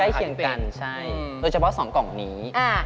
ในเกรงกันใช่โดยเฉพาะ๒กล่องนี้